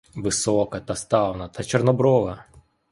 Висока, та ставна, та чорноброва!